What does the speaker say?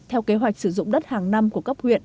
theo kế hoạch sử dụng đất hàng năm của cấp huyện